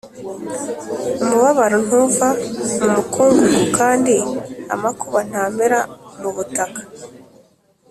umubabaro ntuva mu mukungugu, kandi amakuba ntamera mu butaka